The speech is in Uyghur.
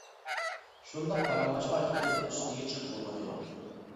شۇنداق پاراڭلاشقاچ بىز ئۈستىگە چىقىپ بولغان ئىدۇق.